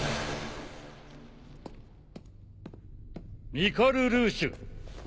ミカルルーシュ。